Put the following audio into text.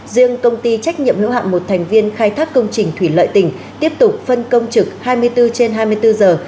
riêng công ty trách nhiệm hữu hạm một thành viên khai thác công trình thủy lợi tỉnh tiếp tục phân công trực hai mươi bốn trên hai mươi bốn giờ